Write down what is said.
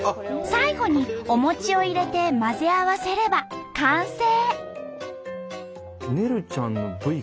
最後にお餅を入れて混ぜ合わせれば完成。